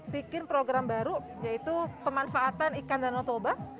bikin program baru yaitu pemanfaatan ikan dan otoba